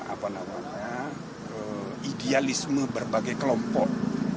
apa namanya idealisme berbagai kelompok